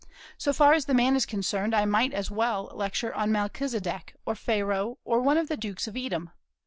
So far as the man is concerned, I might as well lecture on Melchizedek, or Pharaoh, or one of the dukes of Edom.